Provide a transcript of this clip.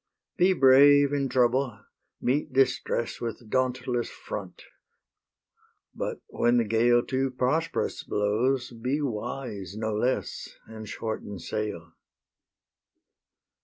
Be brave in trouble; meet distress With dauntless front; but when the gale Too prosperous blows, be wise no less, And shorten sail.